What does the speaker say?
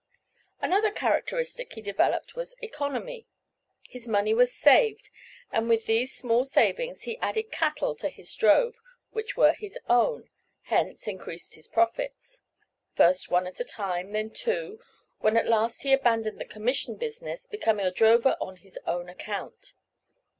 Another characteristic he developed was economy; his money was saved and with these small savings he added cattle to his drove which were his own, hence, increased his profits; first one at a time, then two, when at last he abandoned the commission business, becoming a drover on his own account.